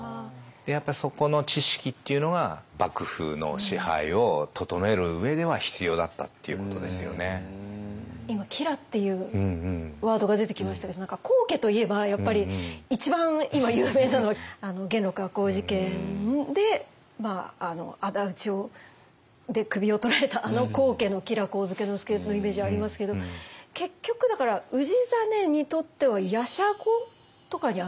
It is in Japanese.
やっぱそこの知識っていうのが今吉良っていうワードが出てきましたけど何か高家といえばやっぱり一番今有名なのは元禄赤穂事件であだ討ちで首をとられたあの高家の吉良上野介のイメージありますけど結局だから氏真にとっては玄孫とかにあたるんですかね？